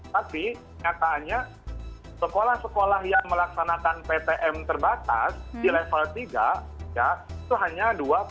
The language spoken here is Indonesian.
tapi nyatanya sekolah sekolah yang melaksanakan ptm terbatas di level tiga ya itu hanya dua puluh enam